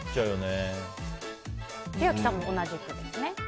千秋さんも同じくですね。